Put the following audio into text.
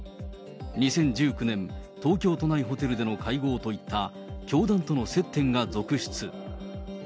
２０１９年、東京都内ホテルでの会合といった教団との接点が続出。